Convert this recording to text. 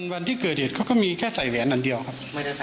วันที่เกิดเหตุเขาก็มีแค่ใส่แหวนอันเดียวครับ